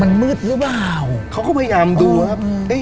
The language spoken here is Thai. มันมืดหรือเปล่าเขาก็พยายามดูครับ